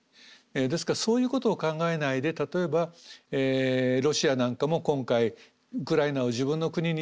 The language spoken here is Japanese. ですからそういうことを考えないで例えばロシアなんかも今回ウクライナを自分の国にしたい。